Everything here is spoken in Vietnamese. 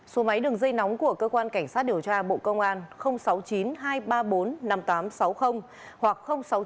số máy đường dây nóng của cơ quan cảnh sát điều tra bộ công an sáu mươi chín hai trăm ba mươi bốn năm nghìn tám trăm sáu mươi hoặc sáu mươi chín hai trăm ba mươi hai một nghìn sáu trăm sáu mươi